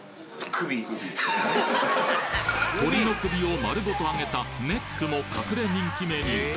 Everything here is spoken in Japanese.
鶏の首を丸ごと揚げたネックも隠れ人気メニュー